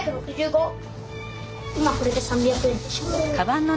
今これで３００円でしょ。